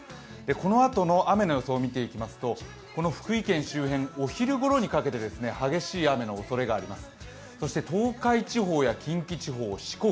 このあとの雨の予想を見ていきますと、この福井県周辺、お昼ごろにかけて激しい雨のおそれがあります。